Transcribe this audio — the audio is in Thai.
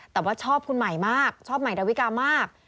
แต่ว่าชอบคุณใหม่มากชอบใหม่ดาวิกามาก